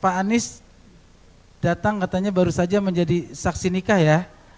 pak anies datang katanya baru saja menjadi saksi nikah ya